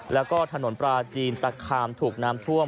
แล้วก็ถนนปลาจีนตะคามถูกน้ำท่วม